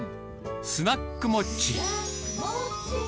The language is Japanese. スナックモッチー。